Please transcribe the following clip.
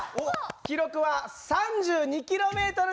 記録は３２ｋｍです！